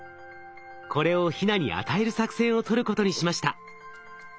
これをヒナに与える作戦を取ることにしました。